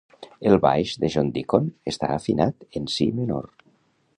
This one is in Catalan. El baix de John Deacon està afinat en si menor.